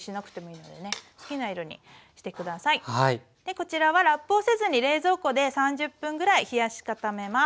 こちらはラップをせずに冷蔵庫で３０分ぐらい冷やし固めます。